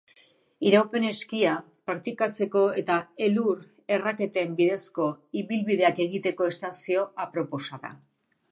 Iraupen-eskia praktikatzeko eta elur-erraketen bidezko ibilbideak egiteko estazio aproposa da.